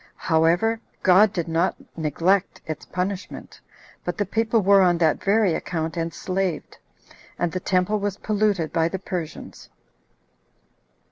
However, God did not neglect its punishment, but the people were on that very account enslaved, and the temple was polluted by the Persians.